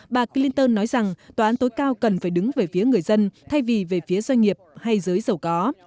bà clinton nói rằng tòa án tối cao cần phải đứng về phía người dân thay vì về phía doanh nghiệp hay giới giàu có